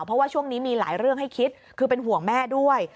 เพราะว่าช่วงนี้มีหลายเรื่องให้คิดคือเป็นห่วงแม่ด้วย